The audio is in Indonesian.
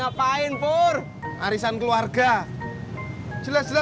iya iya iya semua orang nggak begitu